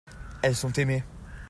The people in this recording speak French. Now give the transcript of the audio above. elles sont aimées.